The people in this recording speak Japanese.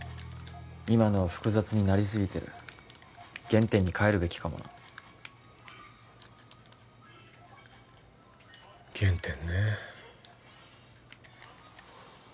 今のは複雑になりすぎてる原点に返るべきかもな原点ねえ